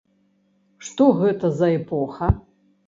Што гэта за эпоха?